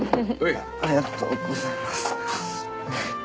ありがとうございます。